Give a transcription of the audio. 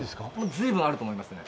随分あると思いますね。